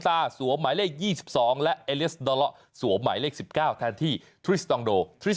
ที่ทิพันธ์๑๙แทนที่ประโยชน์๑๐